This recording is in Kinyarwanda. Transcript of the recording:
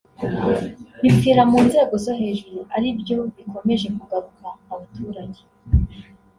bipfira mu nzego zo hejuru ari byo bikomeje kugaruka abaturage